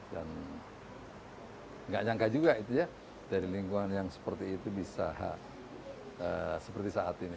dan gak nyangka juga itu ya dari lingkungan yang seperti itu bisa seperti saat ini